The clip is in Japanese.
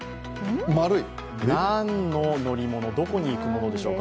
何の乗り物、どこに行くものでしょうか。